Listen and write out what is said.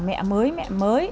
mẹ mới mẹ mới